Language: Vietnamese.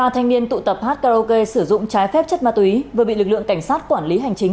ba thanh niên tụ tập hát karaoke sử dụng trái phép chất ma túy vừa bị lực lượng cảnh sát quản lý hành chính